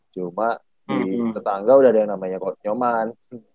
cuma di tetangga udah ada yang namanya nyoman